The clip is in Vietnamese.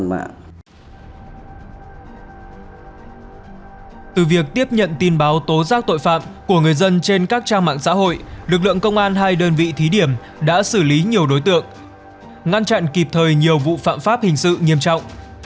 với sự tham gia của các trang mạng xã hội lực lượng công an hay đơn vị thí điểm đã xử lý nhiều đối tượng ngăn chặn kịp thời nhiều vụ phạm pháp hình sự nghiêm trọng